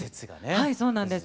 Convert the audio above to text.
はいそうなんです。